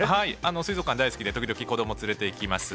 水族館大好きで、時々子ども連れて行きます。